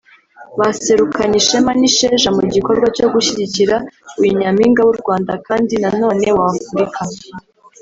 baserukanye Ishema n’isheja mu gikorwa cyo gushyigikira uyu Nyampinga w’u Rwanda kandi na none w’Afurika